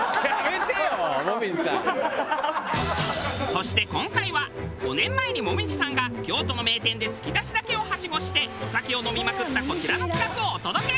そして今回は５年前に紅葉さんが京都の名店でつきだしだけをはしごしてお酒を飲みまくったこちらの企画をお届け！